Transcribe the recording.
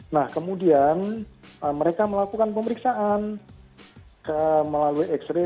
nah kemudian mereka melakukan pemeriksaan melalui x ray